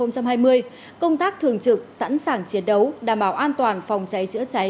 công tác thường trực sẵn sàng chiến đấu đảm bảo an toàn phòng cháy chữa cháy